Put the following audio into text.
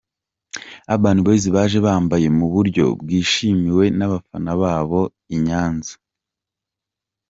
Urban Boyz baje bambeye mu buryo bwishimiwe n'abafana babo i Nyanza.